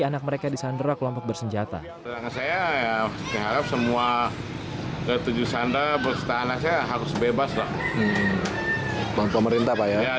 anak mereka disandrak lompok bersenjata